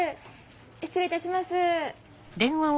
失礼いたします。